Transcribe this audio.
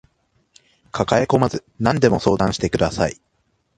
抱えこまず何でも相談してください